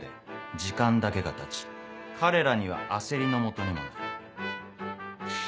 時間だけがたち彼らには焦りのもとにもなる。